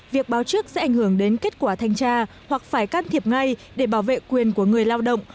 việc báo trước sẽ ảnh hưởng đến kết quả thanh tra hoặc phải can thiệp ngay để bảo vệ quyền của người lao động